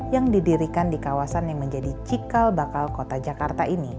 yang didirikan di kawasan yang menjadi cikal bakal kota jakarta ini